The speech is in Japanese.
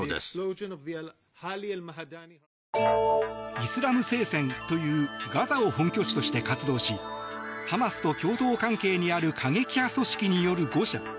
イスラム聖戦というガザを本拠地として活動しハマスと共闘関係にある過激派組織による誤射。